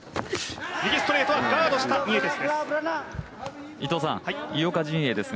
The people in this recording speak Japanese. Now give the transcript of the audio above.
右ストレートはガードしたニエテスです。